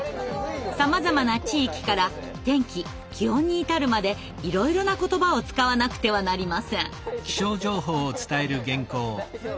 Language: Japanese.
さまざまな地域から天気・気温に至るまでいろいろな言葉を使わなくてはなりません。